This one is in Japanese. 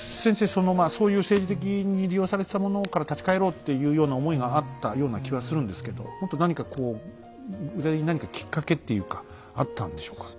そのまあそういう政治的に利用されてたものから立ち返ろうっていうような思いがあったような気はするんですけどもっと何かこう具体的に何かきっかけっていうかあったんでしょうか？